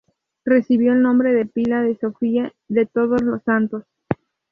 Recibió el nombre de pila de Sofía de Todos los Santos.